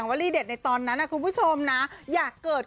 คือใบเฟิร์นเขาเป็นคนที่อยู่กับใครก็ได้ค่ะแล้วก็ตลกด้วย